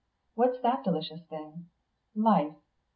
"What's that delicious thing? 'Life.